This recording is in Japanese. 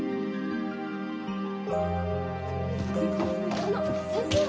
あの先生は？